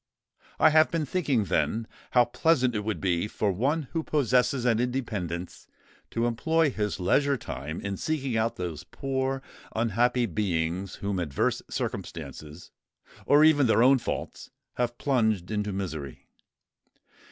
I have been thinking, then, how pleasant it would be for one who possesses an independence, to employ his leisure time in seeking out those poor, unhappy beings whom adverse circumstances, or even their own faults, have plunged into misery.